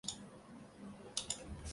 默耶人口变化图示